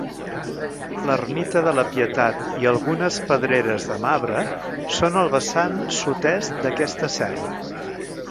L'Ermita de la Pietat i algunes pedreres de marbre són al vessant sud-est d'aquesta serra.